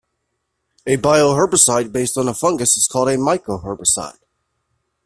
A bioherbicide based on a fungus is called a mycoherbicide.